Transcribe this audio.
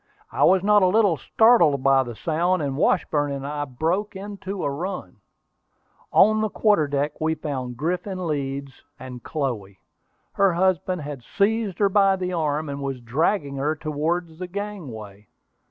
I was not a little startled by the sound, and Washburn and I broke into a run. On the quarter deck we found Griffin Leeds and Chloe. Her husband had seized her by the arm, and was dragging her towards the gangway.